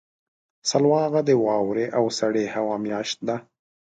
سلواغه د واورې او سړې هوا میاشت ده.